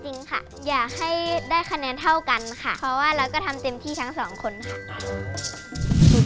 รุ่นดนตร์บุรีนามีดังใบปุ่ม